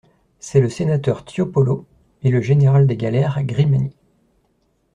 C’est le sénateur Tiopolo et le général des galères Grimani.